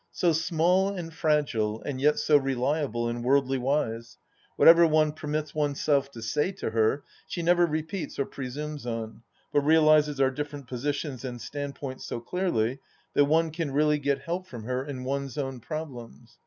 So small and fragile, and yet so reliable and worldly wise ! Whatever one permits oneself to say to her, she never repeats or presumes on, but realizes our different positions and stand points so clearly that one can really get help from her in one's own problems.